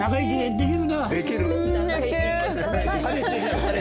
できる！